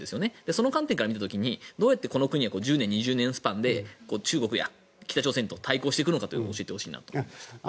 その観点から見た時にどうやってこの国は１０年、２０年スパンで中国や北朝鮮と対抗していくのかというのを教えてほしいなと。